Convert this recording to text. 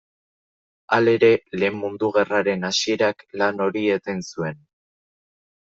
Halere, Lehen Mundu Gerraren hasierak lan hori eten zuen.